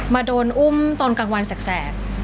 โดนอุ้มตอนกลางวันแสก